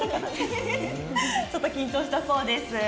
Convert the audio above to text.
ちょっと緊張したそうです。